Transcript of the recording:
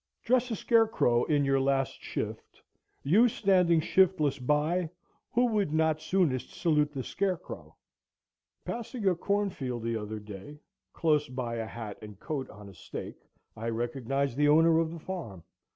Dress a scarecrow in your last shift, you standing shiftless by, who would not soonest salute the scarecrow? Passing a cornfield the other day, close by a hat and coat on a stake, I recognized the owner of the farm.